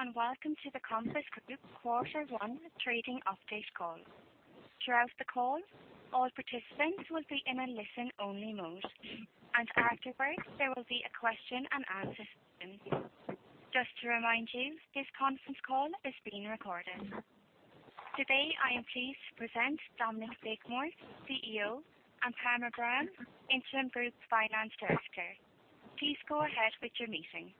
Hello, and welcome to the Compass Group Quarter One Trading Update call. Throughout the call, all participants will be in a listen-only mode, and afterwards, there will be a question and answer session. Just to remind you, this conference call is being recorded. Today, I am pleased to present Dominic Blakemore, CEO, and Palmer Brown, Interim Group Finance Director. Please go ahead with your meeting.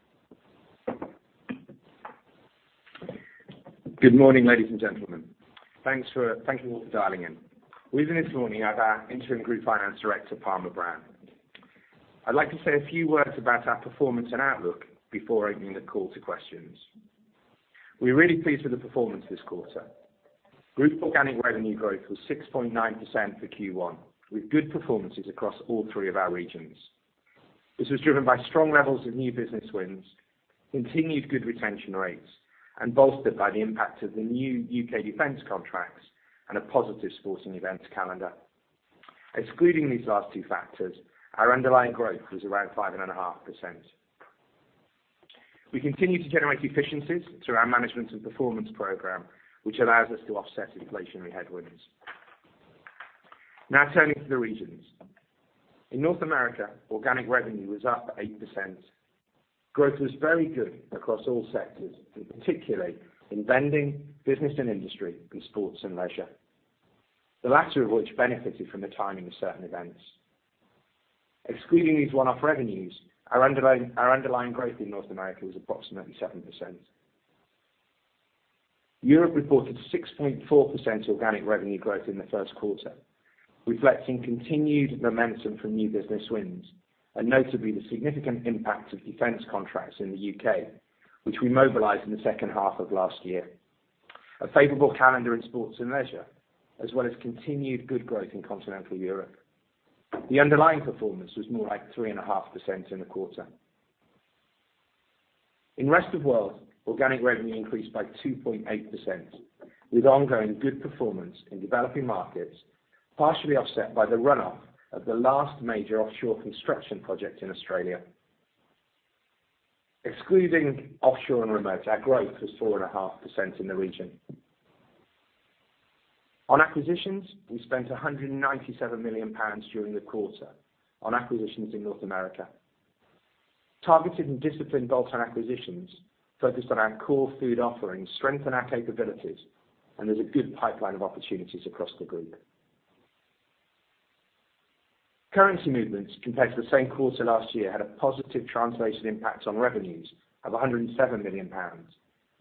Good morning, ladies and gentlemen. Thank you for dialing in. With me this morning, I have our Interim Group Finance Director, Palmer Brown. I'd like to say a few words about our performance and outlook before opening the call to questions. We're really pleased with the performance this quarter. Group organic revenue growth was 6.9% for Q1, with good performances across all three of our regions. This was driven by strong levels of new business wins, continued good retention rates, and bolstered by the impact of the new U.K. defense contracts and a positive sporting events calendar. Excluding these last two factors, our underlying growth was around 5.5%. We continue to generate efficiencies through our Management and Performance Program, which allows us to offset inflationary headwinds. Turning to the regions. In North America, organic revenue was up 8%. Growth was very good across all sectors, and particularly in vending, Business and Industry, and sports and leisure. The latter of which benefited from the timing of certain events. Excluding these one-off revenues, our underlying growth in North America was approximately 7%. Europe reported 6.4% organic revenue growth in the first quarter, reflecting continued momentum from new business wins, and notably the significant impact of defense contracts in the U.K., which we mobilized in the second half of last year, a favorable calendar in sports and leisure, as well as continued good growth in Continental Europe. The underlying performance was more like 3.5% in the quarter. In Rest of World, organic revenue increased by 2.8%, with ongoing good performance in developing markets, partially offset by the runoff of the last major offshore construction project in Australia. Excluding offshore and remote, our growth was 4.5% in the region. On acquisitions, we spent 197 million pounds during the quarter on acquisitions in North America. Targeted and disciplined bolt-on acquisitions focused on our core food offerings strengthen our capabilities. There's a good pipeline of opportunities across the group. Currency movements compared to the same quarter last year had a positive translation impact on revenues of 107 million pounds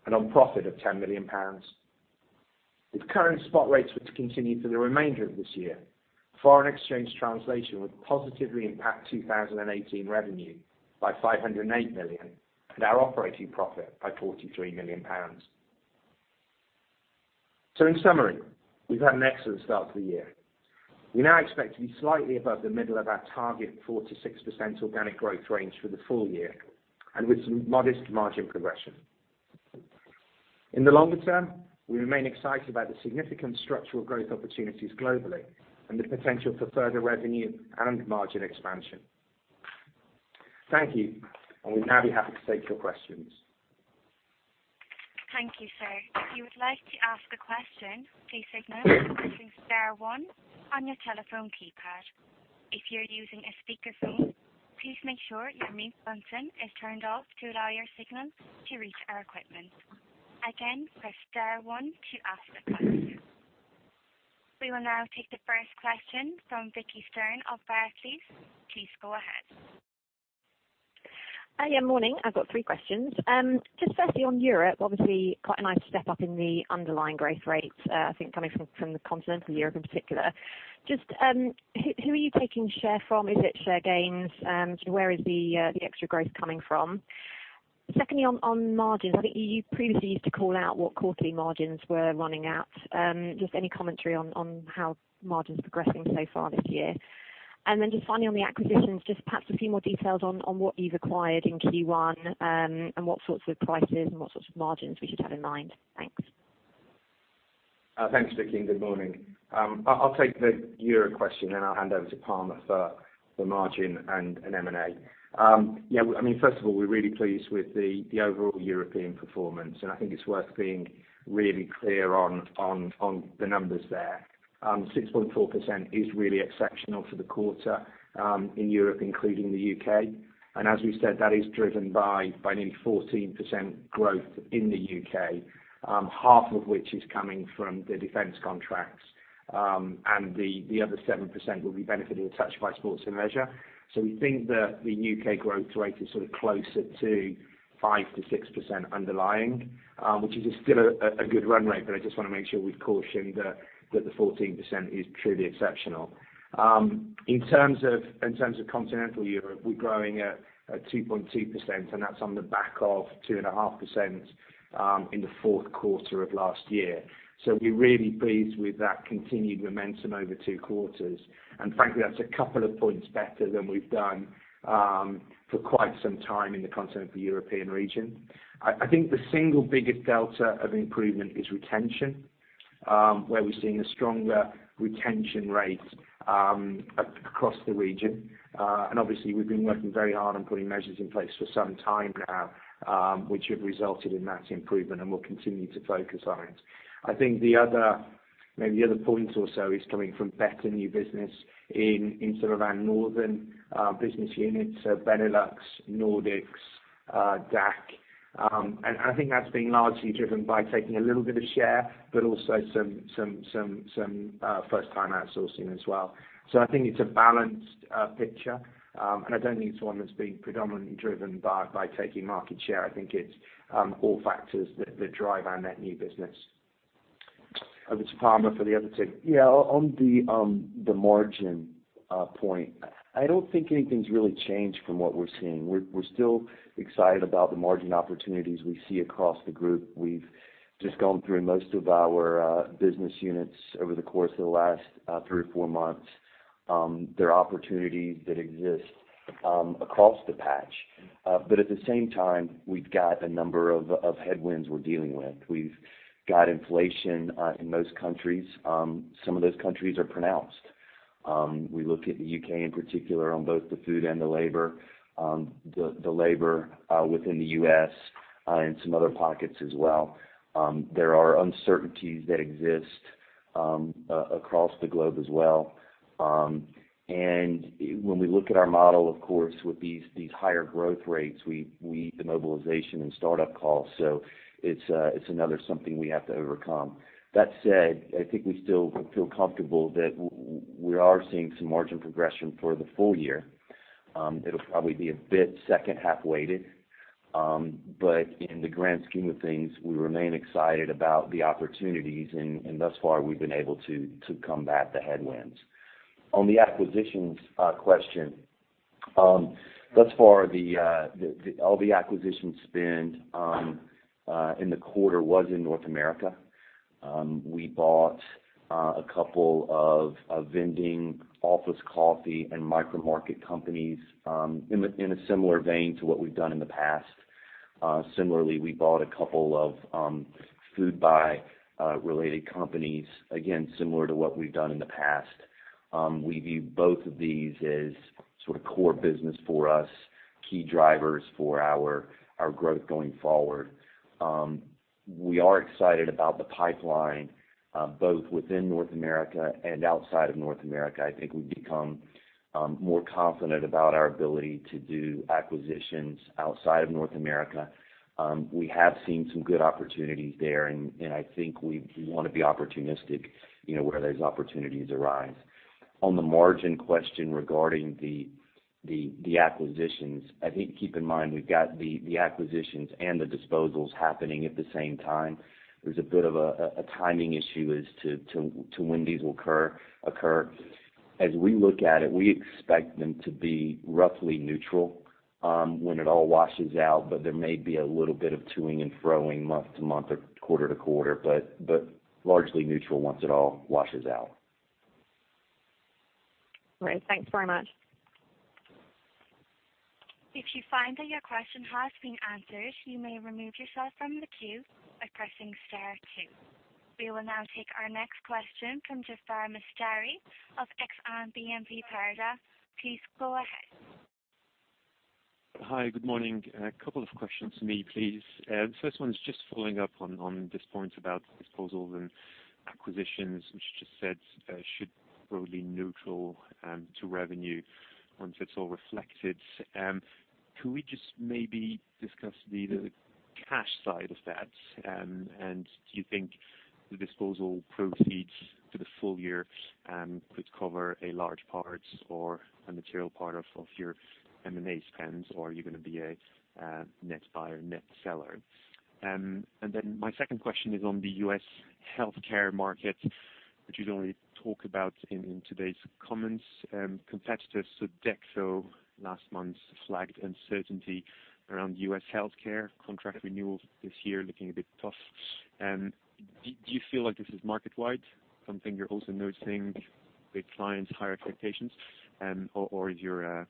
and on profit of 10 million pounds. If current spot rates were to continue for the remainder of this year, foreign exchange translation would positively impact 2018 revenue by 508 million and our operating profit by 43 million pounds. In summary, we've had an excellent start to the year. We now expect to be slightly above the middle of our target 4%-6% organic growth range for the full year, and with some modest margin progression. In the longer term, we remain excited about the significant structural growth opportunities globally and the potential for further revenue and margin expansion. Thank you, we'd now be happy to take your questions. Thank you, sir. If you would like to ask a question, please signal by pressing star one on your telephone keypad. If you're using a speakerphone, please make sure your mute button is turned off to allow your signal to reach our equipment. Again, press star one to ask a question. We will now take the first question from Vicki Stern of Barclays. Please go ahead. Yeah, morning. I've got three questions. Just firstly on Europe, obviously quite a nice step up in the underlying growth rates, I think coming from Continental Europe in particular. Just who are you taking share from? Is it share gains? Where is the extra growth coming from? Secondly, on margins, I think you previously used to call out what quarterly margins were running at. Just any commentary on how margin's progressing so far this year. Then just finally on the acquisitions, just perhaps a few more details on what you've acquired in Q1, and what sorts of prices and what sorts of margins we should have in mind. Thanks. Thanks, Vicki, good morning. I'll take the Euro question, I'll hand over to Palmer for the margin and M&A. First of all, we're really pleased with the overall European performance, I think it's worth being really clear on the numbers there. 6.4% is really exceptional for the quarter in Europe, including the U.K. As we said, that is driven by nearly 14% growth in the U.K., half of which is coming from the defense contracts, the other 7% will be benefited attached by sports and leisure. We think that the U.K. growth rate is sort of closer to 5%-6% underlying, which is still a good run rate, but I just want to make sure we've cautioned that the 14% is truly exceptional. In terms of Continental Europe, we're growing at 2.2%, and that's on the back of 2.5% in the fourth quarter of last year. We're really pleased with that continued momentum over two quarters. Frankly, that's a couple of points better than we've done for quite some time in the Continental European region. I think the single biggest delta of improvement is retention. Where we're seeing a stronger retention rate across the region. Obviously, we've been working very hard on putting measures in place for some time now, which have resulted in that improvement, and we'll continue to focus on it. I think maybe the other point also is coming from better new business in sort of our northern business units, so Benelux, Nordics, DACH. I think that's been largely driven by taking a little bit of share, but also some first-time outsourcing as well. I think it's a balanced picture. I don't think it's one that's being predominantly driven by taking market share. I think it's all factors that drive our net new business. Over to Palmer for the other two. Yeah. On the margin point, I don't think anything's really changed from what we're seeing. We're still excited about the margin opportunities we see across the group. We've just gone through most of our business units over the course of the last three or four months. There are opportunities that exist across the patch. We've got a number of headwinds we're dealing with. We've got inflation in most countries. Some of those countries are pronounced. We look at the U.K. in particular on both the food and the labor, the labor within the U.S., and some other pockets as well. There are uncertainties that exist across the globe as well. When we look at our model, of course, with these higher growth rates, we mobilization and start-up costs. It's another something we have to overcome. That said, I think we still feel comfortable that we are seeing some margin progression for the full year. It'll probably be a bit second half-weighted. In the grand scheme of things, we remain excited about the opportunities, and thus far, we've been able to combat the headwinds. On the acquisitions question. Thus far, all the acquisition spend in the quarter was in North America. We bought a couple of vending office coffee and micro-market companies in a similar vein to what we've done in the past. Similarly, we bought a couple of Foodbuy related companies, again, similar to what we've done in the past. We view both of these as sort of core business for us, key drivers for our growth going forward. We are excited about the pipeline, both within North America and outside of North America. I think we've become more confident about our ability to do acquisitions outside of North America. We have seen some good opportunities there, and I think we want to be opportunistic where those opportunities arise. On the margin question regarding the acquisitions, I think, keep in mind, we've got the acquisitions and the disposals happening at the same time. There's a bit of a timing issue as to when these will occur. As we look at it, we expect them to be roughly neutral when it all washes out, but there may be a little bit of toing and froing month to month or quarter to quarter. Largely neutral once it all washes out. Great. Thanks very much. If you find that your question has been answered, you may remove yourself from the queue by pressing star 2. We will now take our next question from Jaafar Mestari of Exane BNP Paribas. Please go ahead. Hi. Good morning. A couple of questions for me, please. The first one is just following up on this point about disposals and acquisitions, which you just said should be broadly neutral to revenue once it's all reflected. Can we just maybe discuss the cash side of that? Do you think the disposal proceeds for the full year could cover a large part or a material part of your M&A spends, or are you going to be a net buyer, net seller? My second question is on the U.S. healthcare market, which you'd already talked about in today's comments. Competitors, Sodexo last month flagged uncertainty around U.S. healthcare contract renewals this year looking a bit tough. Do you feel like this is market wide? Something you're also noticing with clients' higher expectations? Is your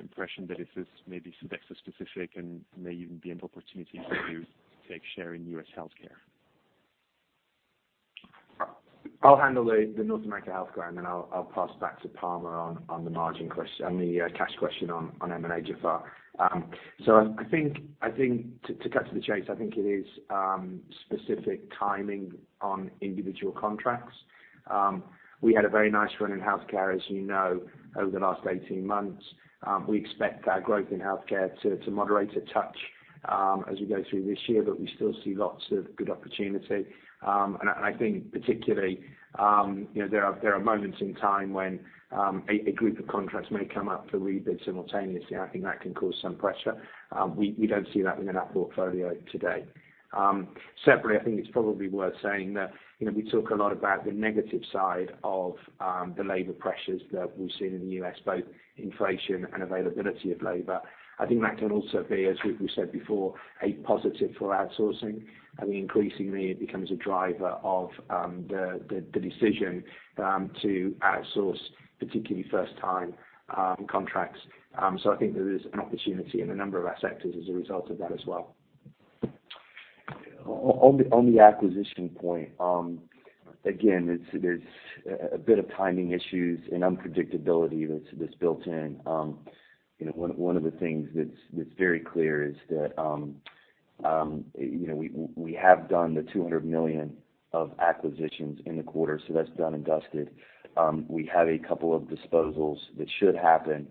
impression that this is maybe Sodexo specific and may even be an opportunity for you to take share in U.S. healthcare? I'll handle the North America healthcare, then I'll pass back to Palmer on the margin question-- on the cash question on M&A, Jaafar. I think to cut to the chase, I think it is specific timing on individual contracts. We had a very nice run in healthcare, as you know, over the last 18 months. We expect our growth in healthcare to moderate a touch as we go through this year, but we still see lots of good opportunity. I think particularly there are moments in time when a group of contracts may come up for rebid simultaneously. I think that can cause some pressure. We don't see that within our portfolio today. Separately, I think it's probably worth saying that we talk a lot about the negative side of the labor pressures that we've seen in the U.S., both inflation and availability of labor. I think that can also be, as we've said before, a positive for outsourcing. I think increasingly it becomes a driver of the decision to outsource, particularly first-time contracts. I think there is an opportunity in a number of our sectors as a result of that as well. On the acquisition point, again, there's a bit of timing issues and unpredictability that's built in. One of the things that's very clear is that we have done the 200 million of acquisitions in the quarter, so that's done and dusted. We have a couple of disposals that should happen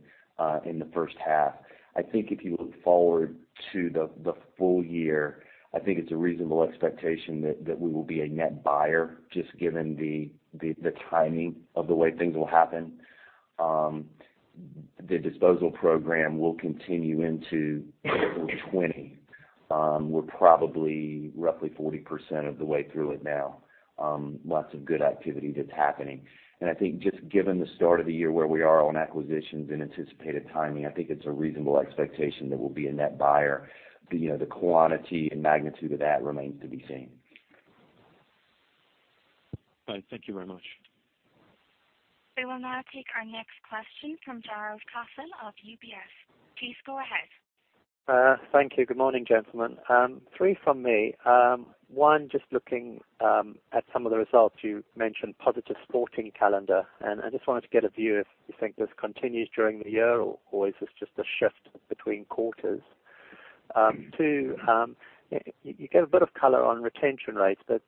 in the first half. I think if you look forward to the full year, I think it's a reasonable expectation that we will be a net buyer, just given the timing of the way things will happen. The disposal program will continue into 2020. We're probably roughly 40% of the way through it now. Lots of good activity that's happening. I think just given the start of the year, where we are on acquisitions and anticipated timing, I think it's a reasonable expectation that we'll be a net buyer. The quantity and magnitude of that remains to be seen. Right. Thank you very much. We will now take our next question from Jared Coffin of UBS. Please go ahead. Thank you. Good morning, gentlemen. Three from me. One, just looking at some of the results, you mentioned positive sporting calendar, and I just wanted to get a view if you think this continues during the year, or is this just a shift between quarters? Two, you gave a bit of color on retention rates, but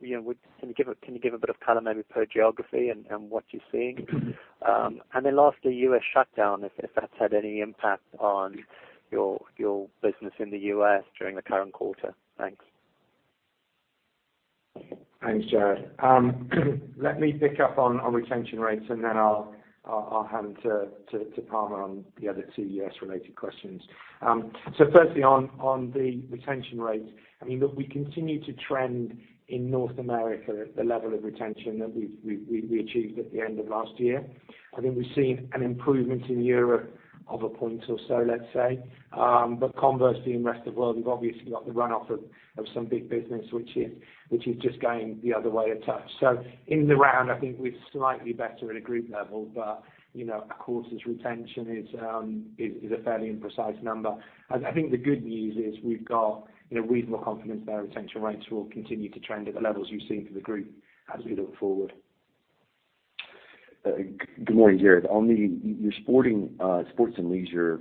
can you give a bit of color maybe per geography and what you're seeing? And then lastly, U.S. shutdown, if that's had any impact on your business in the U.S. during the current quarter. Thanks. Thanks, Jared. Let me pick up on retention rates, and then I'll hand to Palmer on the other two U.S. related questions. Firstly, on the retention rates. Look, we continue to trend in North America at the level of retention that we achieved at the end of last year. I think we've seen an improvement in Europe of a point or so, let's say. Conversely, in Rest of World, we've obviously got the runoff of some big business, which is just going the other way a touch. In the round, I think we're slightly better at a group level, but of course, as retention is a fairly imprecise number. I think the good news is we've got reasonable confidence that our retention rates will continue to trend at the levels you've seen for the group as we look forward. Good morning, Jared. On your sports and leisure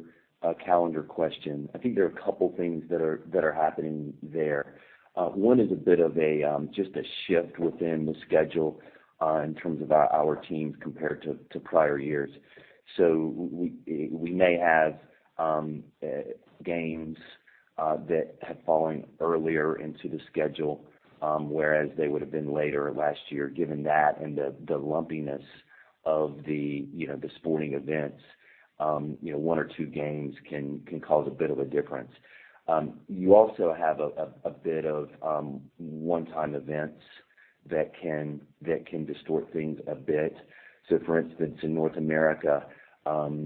calendar question, I think there are a couple things that are happening there. One is a bit of just a shift within the schedule in terms of our teams compared to prior years. We may have games that have fallen earlier into the schedule, whereas they would've been later last year. Given that and the lumpiness of the sporting events, one or two games can cause a bit of a difference. You also have a bit of one-time events that can distort things a bit. For instance, in North America,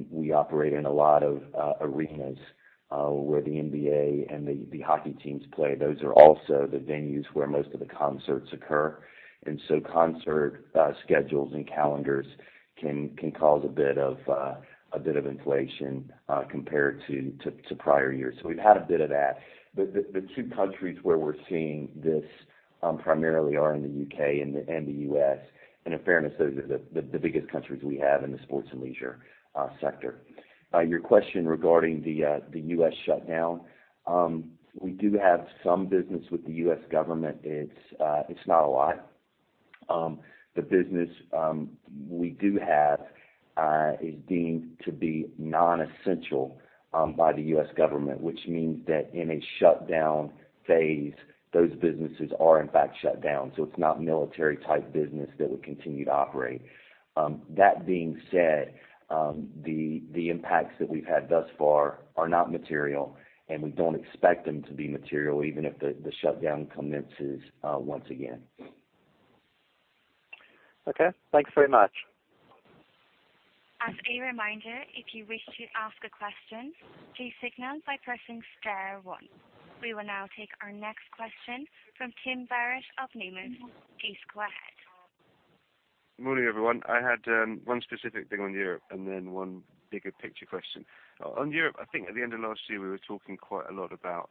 we operate in a lot of arenas, where the NBA and the hockey teams play. Those are also the venues where most of the concerts occur. Concert schedules and calendars can cause a bit of inflation compared to prior years. We've had a bit of that. The two countries where we're seeing this primarily are in the U.K. and the U.S., and in fairness, those are the biggest countries we have in the sports and leisure sector. Your question regarding the U.S. shutdown. We do have some business with the U.S. government. It's not a lot. The business we do have is deemed to be non-essential by the U.S. government, which means that in a shutdown phase, those businesses are in fact shut down. It's not military type business that would continue to operate. That being said, the impacts that we've had thus far are not material, and we don't expect them to be material even if the shutdown commences once again. Okay. Thanks very much. As a reminder, if you wish to ask a question, please signal by pressing star one. We will now take our next question from Tim Barrus of Numis, please go ahead. Morning, everyone. I had one specific thing on Europe and then one bigger picture question. On Europe, I think at the end of last year, we were talking quite a lot about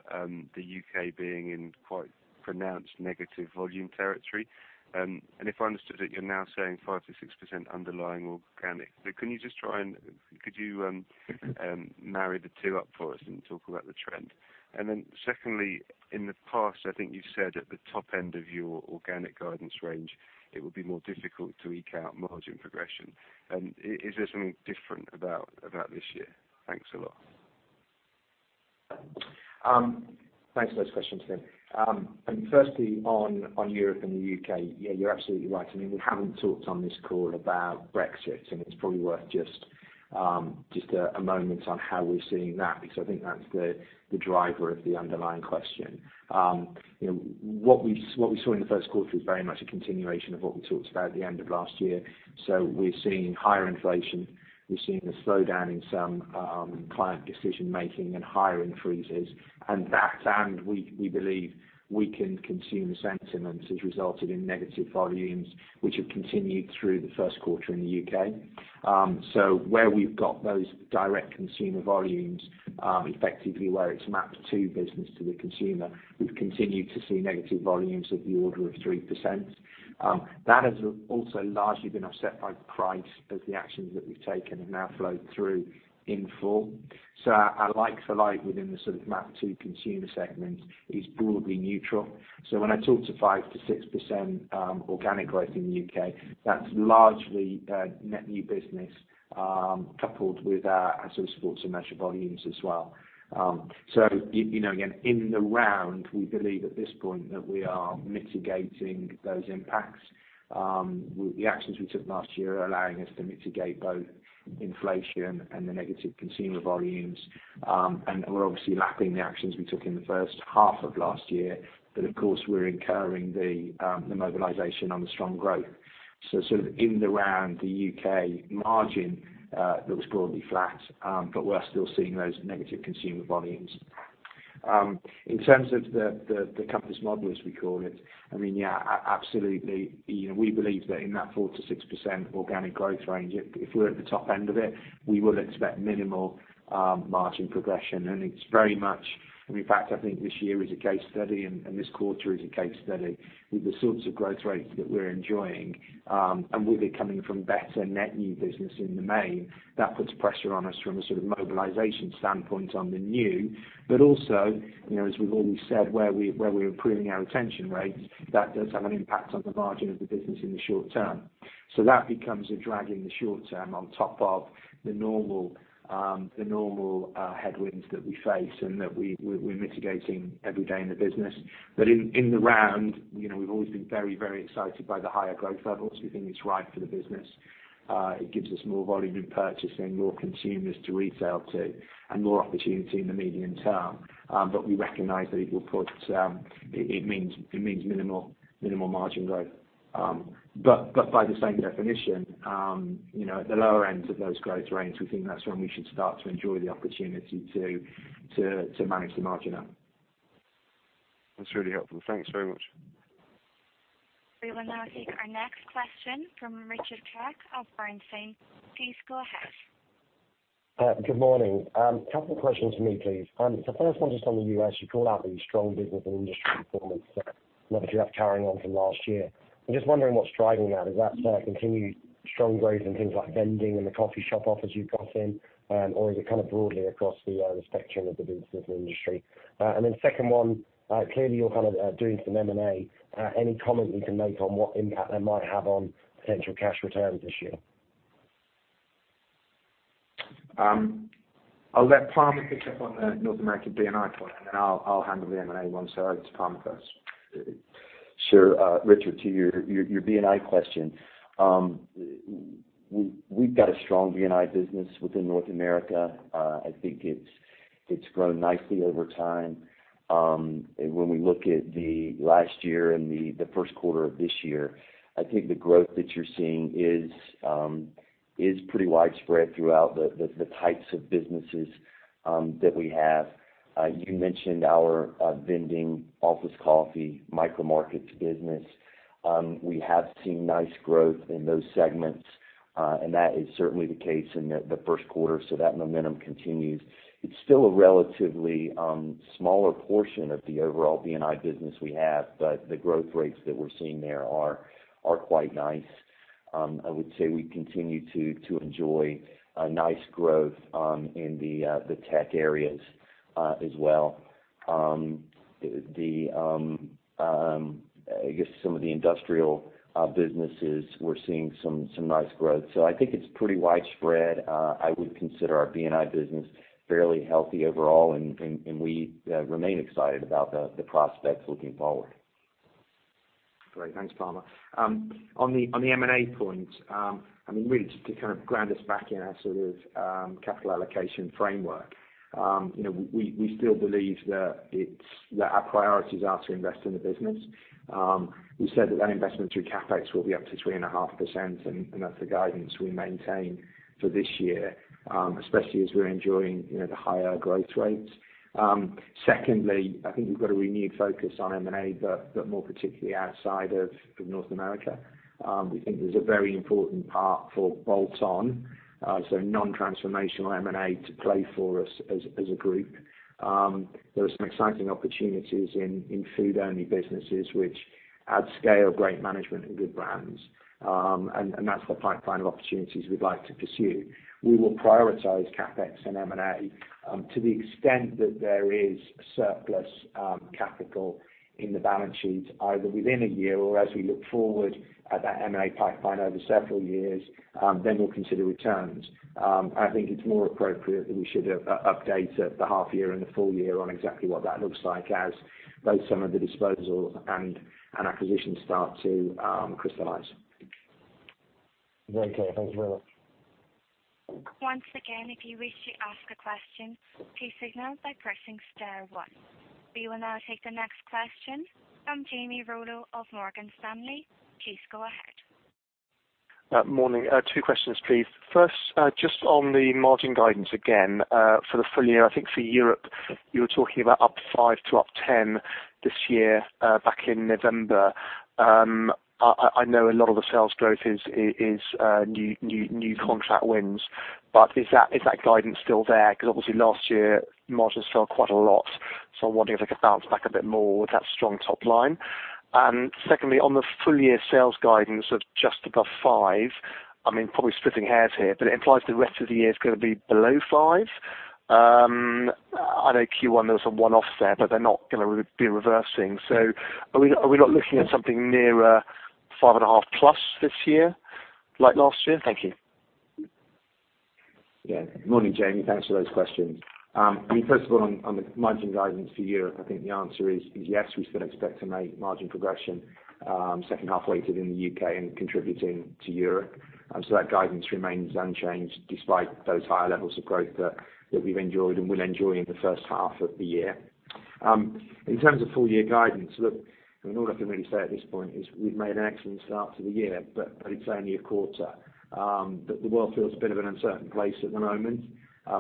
the U.K. being in quite pronounced negative volume territory. If I understood it, you're now saying 5% to 6% underlying organic. Can you just try and could you marry the two up for us and talk about the trend? Secondly, in the past, I think you said at the top end of your organic guidance range, it would be more difficult to eke out margin progression. Is there something different about this year? Thanks a lot. Thanks for those questions, Tim. Firstly, on Europe and the U.K., yeah, you're absolutely right. We haven't talked on this call about Brexit, and it's probably worth just a moment on how we're seeing that, because I think that's the driver of the underlying question. What we saw in the first quarter is very much a continuation of what we talked about at the end of last year. We're seeing higher inflation. We're seeing a slowdown in some client decision making and hiring freezes. That, and we believe weakened consumer sentiments has resulted in negative volumes, which have continued through the first quarter in the U.K. Where we've got those direct consumer volumes, effectively where it's mapped to business to the consumer, we've continued to see negative volumes of the order of 3%. That has also largely been offset by price as the actions that we've taken have now flowed through in full. Like for like within the sort of map to consumer segment is broadly neutral. When I talk to 5% to 6% organic growth in the U.K., that's largely net new business, coupled with our asset supports to measure volumes as well. Again, in the round we believe at this point that we are mitigating those impacts. The actions we took last year are allowing us to mitigate both inflation and the negative consumer volumes. We're obviously lapping the actions we took in the first half of last year, but of course, we're incurring the mobilization on the strong growth. In the round, the U.K. margin looks broadly flat, but we are still seeing those negative consumer volumes. In terms of the Compass model, as we call it, yeah, absolutely. We believe that in that 4% to 6% organic growth range, if we're at the top end of it, we would expect minimal margin progression, and it's very much, in fact, I think this year is a case study, and this quarter is a case study with the sorts of growth rates that we're enjoying. With it coming from better net new business in the main, that puts pressure on us from a sort of mobilization standpoint on the new. Also, as we've always said, where we're improving our retention rates, that does have an impact on the margin of the business in the short term. That becomes a drag in the short term on top of the normal headwinds that we face and that we're mitigating every day in the business. In the round, we've always been very excited by the higher growth levels. We think it's right for the business. It gives us more volume in purchasing, more consumers to retail to, and more opportunity in the medium term. We recognize that it means minimal margin growth. By the same definition, at the lower end of those growth ranges, we think that's when we should start to enjoy the opportunity to manage the margin up. That's really helpful. Thanks very much. We will now take our next question from Richard Tak of Bernstein. Please go ahead. Good morning. Couple questions for me, please. The first one just on the U.S. You called out the strong business and industry performance that you have carrying on from last year. I'm just wondering what's driving that. Is that continued strong growth in things like vending and the coffee shop offers you've got in? Or is it kind of broadly across the spectrum of the business and industry? Then second one, clearly you're doing some M&A. Any comment you can make on what impact that might have on potential cash returns this year? I'll let Palmer pick up on the North American B&I point, and then I'll handle the M&A one. Over to Palmer first. Sure. Richard, to your B&I question. We've got a strong B&I business within North America. I think it's grown nicely over time. When we look at the last year and the first quarter of this year, I think the growth that you're seeing is pretty widespread throughout the types of businesses that we have. You mentioned our vending office coffee micro markets business. We have seen nice growth in those segments, and that is certainly the case in the first quarter. That momentum continues. It's still a relatively smaller portion of the overall B&I business we have, but the growth rates that we're seeing there are quite nice. I would say we continue to enjoy a nice growth in the tech areas as well. I guess some of the industrial businesses we're seeing some nice growth. I think it's pretty widespread. I would consider our B&I business fairly healthy overall, and we remain excited about the prospects looking forward. Great. Thanks, Palmer. On the M&A point, really just to kind of ground us back in our sort of capital allocation framework. We still believe that our priorities are to invest in the business. We said that that investment through CapEx will be up to 3.5%, and that's the guidance we maintain for this year, especially as we're enjoying the higher growth rates. Secondly, I think we've got a renewed focus on M&A, but more particularly outside of North America. We think there's a very important part for bolt-on, so non-transformational M&A to play for us as a group. There are some exciting opportunities in food only businesses which add scale, great management, and good brands. That's the pipeline of opportunities we'd like to pursue. We will prioritize CapEx and M&A to the extent that there is surplus capital in the balance sheet, either within a year or as we look forward at that M&A pipeline over several years, then we will consider returns. I think it is more appropriate that we should update at the half year and the full year on exactly what that looks like as both some of the disposal and acquisition start to crystallize. Okay, thanks very much. Once again, if you wish to ask a question, please signal by pressing star one. We will now take the next question from Jamie Rollo of Morgan Stanley. Please go ahead. Morning. Two questions, please. First, just on the margin guidance again, for the full year. I think for Europe, you were talking about up 5% to up 10% this year, back in November. I know a lot of the sales growth is new contract wins. Is that guidance still there? Because obviously last year, margins fell quite a lot, so I am wondering if they could bounce back a bit more with that strong top line. Secondly, on the full-year sales guidance of just above 5%, probably splitting hairs here, but it implies the rest of the year is going to be below 5%. I know Q1, there was a one-off there, but they are not going to be reversing. Are we not looking at something nearer 5.5% plus this year, like last year? Thank you. Morning, Jamie. Thanks for those questions. First of all, on the margin guidance for Europe, I think the answer is yes, we still expect to make margin progression, second half weighted in the U.K. and contributing to Europe. That guidance remains unchanged despite those higher levels of growth that we've enjoyed and will enjoy in the first half of the year. In terms of full year guidance, look, all I can really say at this point is we've made an excellent start to the year, but it's only a quarter. The world feels a bit of an uncertain place at the moment.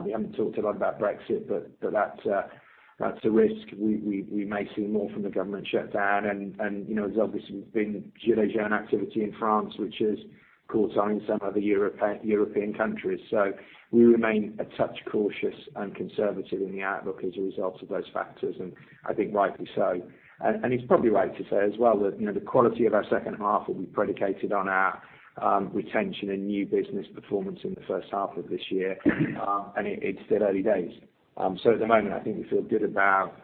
We haven't talked a lot about Brexit, but that's a risk. We may see more from the government shutdown. There's obviously been gilets jaunes activity in France, which has caught on in some other European countries. We remain a touch cautious and conservative in the outlook as a result of those factors, and I think rightly so. It's probably right to say as well that the quality of our second half will be predicated on our retention and new business performance in the first half of this year, and it's still early days. At the moment, I think we feel good about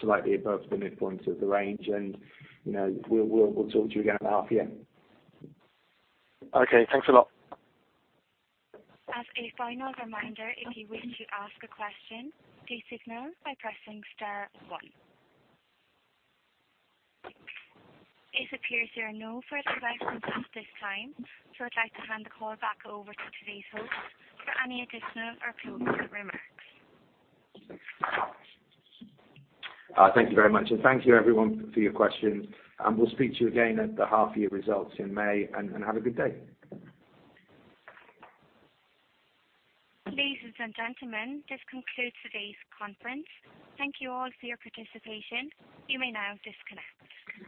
slightly above the midpoint of the range and we'll talk to you again at the half year. Okay, thanks a lot. As a final reminder, if you wish to ask a question, please signal by pressing star one. It appears there are no further questions at this time, so I'd like to hand the call back over to today's host for any additional or closing remarks. Thank you very much. Thank you everyone for your questions, and we'll speak to you again at the half year results in May. Have a good day. Ladies and gentlemen, this concludes today's conference. Thank you all for your participation. You may now disconnect.